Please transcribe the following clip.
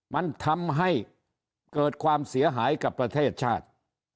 มันทำให้เกิดความเสียหายกับประเทศชาติ